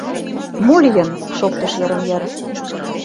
— Мо лийын? — шоктыш йырым-йыр.